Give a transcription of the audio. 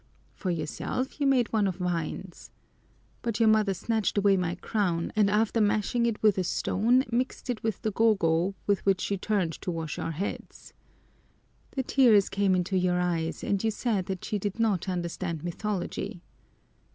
For yourself you made one of vines. But your mother snatched away my crown, and after mashing it with a stone mixed it with the gogo with which she was going to wash our heads. The tears came into your eyes and you said that she did not understand mythology.